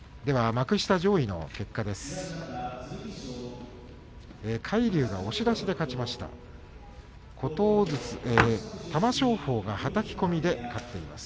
幕下上位の結果です。